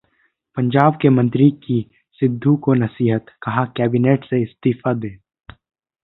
पंजाब के मंत्री की सिद्धू को नसीहत, कहा- कैबिनेट से इस्तीफा दें